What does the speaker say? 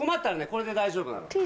これで大丈夫なの。